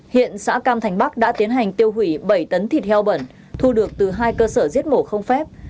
hiện xã cam thành bắc đã tiến hành tiêu hủy bảy tấn thịt heo bẩn thu được từ hai cơ sở giết mổ không phép